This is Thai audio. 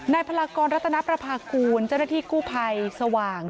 พลากรรัตนประพากูลเจ้าหน้าที่กู้ภัยสว่าง